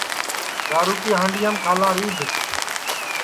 گارو کی ہانڈؔیام کھالاں رِیدھ